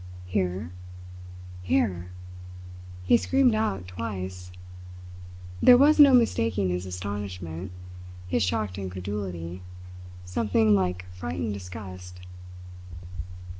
"Here! Here!" he screamed out twice. There was no mistaking his astonishment, his shocked incredulity something like frightened disgust.